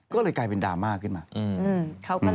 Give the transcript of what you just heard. ก็เลยกลายเป็นดราม่าขึ้นมา